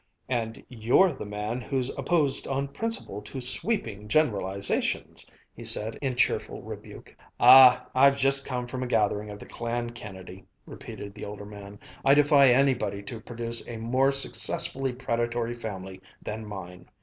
"And you're the man who's opposed on principle to sweeping generalizations!" he said in cheerful rebuke. "Ah, I've just come from a gathering of the Clan Kennedy," repeated the older man. "I defy anybody to produce a more successfully predatory family than mine.